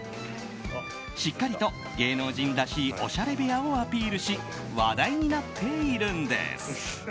しっかりと芸能人らしいおしゃれ部屋をアピールし話題になっているんです。